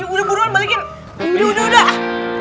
udah buruan balikin udah udah dah